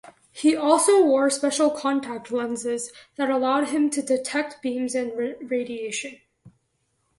He also wore special contact lenses that allowed him to detect beams and radiation.